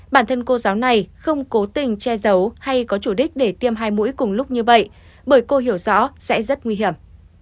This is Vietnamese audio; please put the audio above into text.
bản thân cô giáo này không cố tình che giấu hay có chủ đích để tiêm hai mũi cùng lúc như vậy bởi cô hiểu rõ sẽ rất nguy hiểm